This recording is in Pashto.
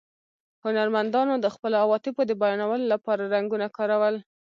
هنرمندانو د خپلو عواطفو د بیانولو له پاره رنګونه کارول.